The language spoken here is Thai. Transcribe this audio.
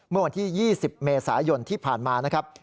เมื่อวันที่๒๐เมษายนที่ผ่านมานะครับ